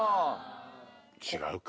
違うか。